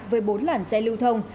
với bốn làn xe lưu thông